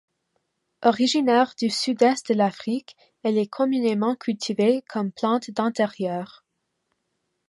Originaire du Sud-Est de l'Afrique, elle est communément cultivée comme plante d'intérieur.